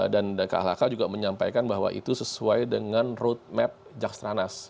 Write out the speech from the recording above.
dan klhk juga menyampaikan bahwa itu sesuai dengan road map jakstranas